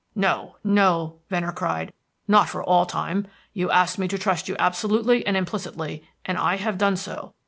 "No, no," Venner cried; "not for all time. You asked me to trust you absolutely and implicitly, and I have done so.